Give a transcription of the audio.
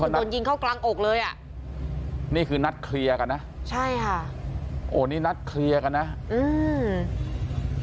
คือโดนยิงเข้ากลางอกเลยอ่ะนี่คือนัดเคลียร์กันนะใช่ค่ะโอ้นี่นัดเคลียร์กันนะอืม